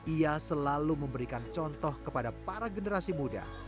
ia selalu memberikan contoh kepada para generasi muda